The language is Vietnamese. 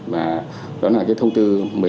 và đó là cái thông tư một mươi năm hai nghìn hai mươi hai